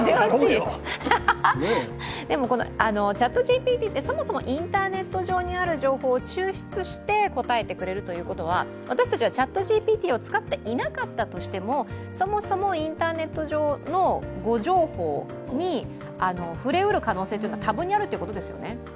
でも、ＣｈａｔＧＰＴってそもそもインターネット上にある情報を抽出して答えてくれるということは私たちはＣｈａｔＧＰＴを使っていなかったとしてもそもそもインターネット上の誤情報に触れうる可能性は多分にあるということですよね？